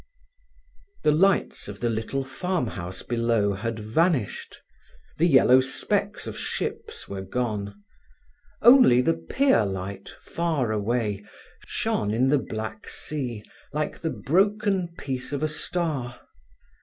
The lights of the little farmhouse below had vanished, the yellow specks of ships were gone. Only the pier light, far away, shone in the black sea like the broken piece of a star.